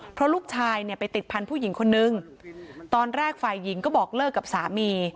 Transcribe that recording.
เพราะลูกชายเนี่ยไปติดพันธุ์ผู้หญิงคนนึงตอนแรกฝ่ายหญิงก็บอกเลิกกับสามี